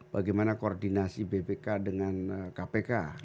bagaimana koordinasi bpk dengan kpk